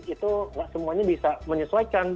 itu nggak semuanya bisa menyesuaikan